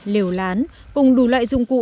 liều lán cùng đủ loại dụng cụ